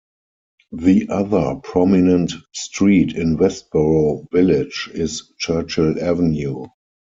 The other prominent street in Westboro Village is Churchill Avenue.